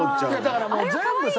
だからもう全部さ。